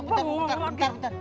bentar bentar bentar